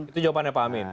itu jawabannya pak amin